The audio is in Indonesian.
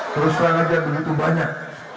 perusahaan agar begitu banyak